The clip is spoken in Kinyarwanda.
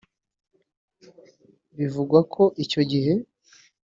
Bivugwa ko icyo gihe